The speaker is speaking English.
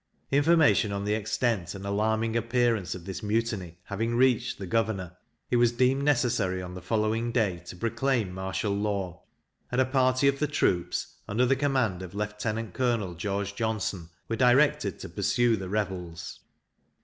Information of the extent and alarming appearance of this mutiny having reached the governor, it was deemed necessary, on the following day, to proclaim martial law; and a party of the troops, under the command of Lieutenant Colonel George Johnston, were directed to pursue the rebels.